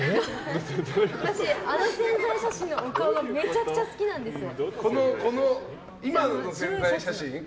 私、あの宣材写真のお顔がめちゃくちゃ好きなんですよ。